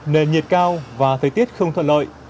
nền nhiệt cao và thời tiết không thuận lợi